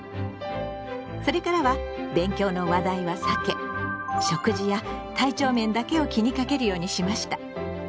それからは勉強の話題は避け食事や体調面だけを気にかけるようにしました。